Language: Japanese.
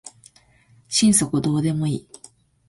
心底どうでもいい